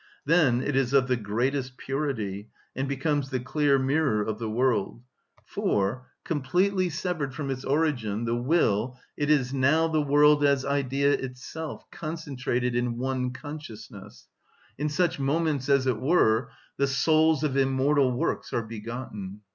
Then it is of the greatest purity, and becomes the clear mirror of the world; for, completely severed from its origin, the will, it is now the world as idea itself, concentrated in one consciousness. In such moments, as it were, the souls of immortal works are begotten.